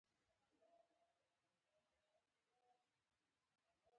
بل مثال مې ورکو.